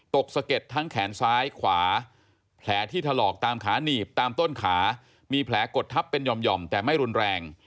สะเก็ดทั้งแขนซ้ายขวาแผลที่ถลอกตามขาหนีบตามต้นขามีแผลกดทับเป็นหย่อมแต่ไม่รุนแรง